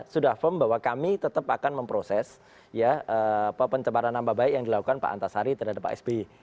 sudah firm bahwa kami tetap akan memproses pencemaran nama baik yang dilakukan pak antasari terhadap pak sby